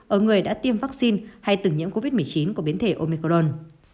ở người đã tiêm vắc xin hay từng nhiễm covid một mươi chín của biến thể omicron